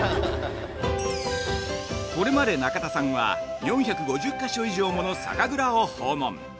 これまで中田さんは４５０か所以上もの酒蔵を訪問。